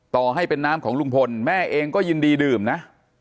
ต่อให้เป็นน้ำของลุงพลแม่เองก็ยินดีดื่มนะ